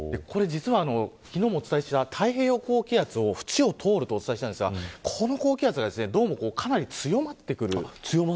昨日もお伝えした太平洋高気圧の縁を通ると伝えたんですがこの高気圧がかなり強まってくる。